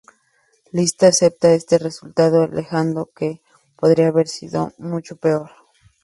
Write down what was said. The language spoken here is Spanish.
Lisa acepta este resultado, alegando que podría haber sido mucho peor.